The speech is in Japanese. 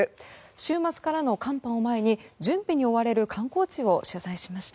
週末からの寒波を前に準備に追われる観光地を取材しました。